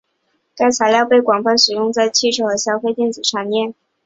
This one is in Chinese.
该材料被广泛使用在汽车和消费电子产业。